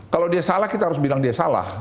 kalau dia salah kita harus bilang dia salah